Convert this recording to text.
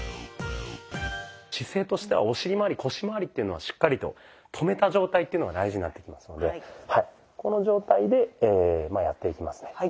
姿勢としてはお尻まわり腰まわりというのをしっかりと止めた状態っていうのが大事になってきますのでこの状態でやっていきますね。